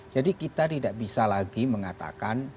kita tidak bisa lagi mengatakan